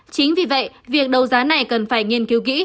chính vì vậy việc đấu giá này cần phải nghiên cứu kỹ